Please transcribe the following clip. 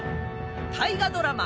大河ドラマ